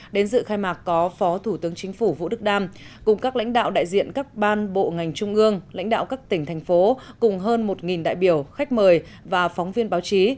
đến dự khai mạc có phó thủ tướng chính phủ vũ đức đam cùng các lãnh đạo đại diện các ban bộ ngành trung ương lãnh đạo các tỉnh thành phố cùng hơn một đại biểu khách mời và phóng viên báo chí